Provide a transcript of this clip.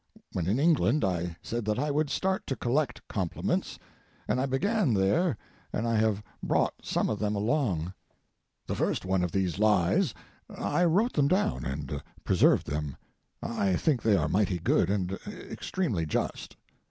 When in England I said that I would start to collect compliments, and I began there and I have brought some of them along. The first one of these lies—I wrote them down and preserved them—I think they are mighty good and extremely just.